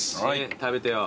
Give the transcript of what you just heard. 食べてよ。